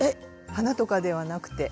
花とかではなくて。